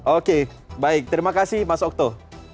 oke baik terima kasih mas okto